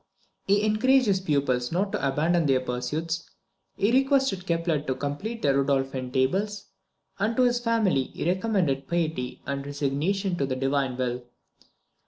He encouraged his pupils not to abandon their pursuits, he requested Kepler to complete the Rudolphine Tables, and to his family he recommended piety and resignation to the Divine will.